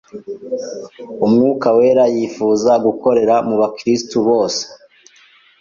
Umwuka wera yifuza gukorera mu bakirisitu bose,